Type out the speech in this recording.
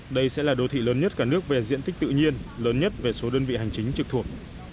đây sẽ là đô thị lớn nhất cả nước về diện tích tự nhiên lớn nhất về số đơn vị hành chính trực thuộc